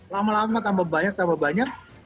lama lama tambah banyak tambah banyak